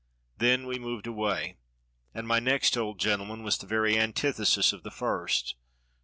Then we moved away, and my next old gentleman was the very antithesis of the first.